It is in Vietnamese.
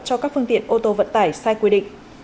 cho các phương tiện ô tô vận tải sai quy định